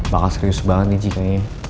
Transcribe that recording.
bakal serius banget nih ci kayaknya